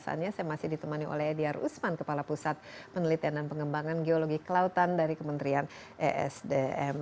saya masih ditemani oleh ediar usman kepala pusat penelitian dan pengembangan geologi kelautan dari kementerian esdm